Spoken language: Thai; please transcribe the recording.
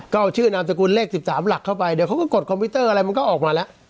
ก็เอาชื่อนามสกุลเลข๑๓หลักเข้าไปเดี๋ยวเขาก็กดคอมพิวเตอร์อะไรมันก็ออกมาแล้ว